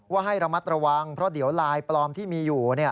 ให้ระมัดระวังเพราะเดี๋ยวลายปลอมที่มีอยู่